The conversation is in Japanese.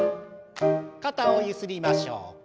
肩をゆすりましょう。